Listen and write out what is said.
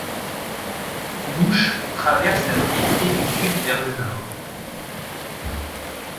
L’Ouche traverse la localité du sud vers le nord.